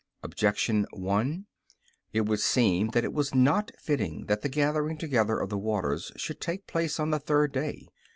Objection 1: It would seem that it was not fitting that the gathering together of the waters should take place on the third day.